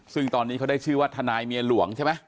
ซึ่งตอนนี้เขาได้ชื่อว่าทนายเมียหลวงใช่ไหม